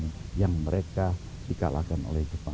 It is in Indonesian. yaitu sekutu yang membantu belanda untuk merebut jajahan